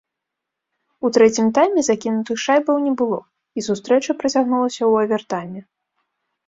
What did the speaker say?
У трэцім тайме закінутых шайбаў не было, і сустрэча працягнулася ў авертайме.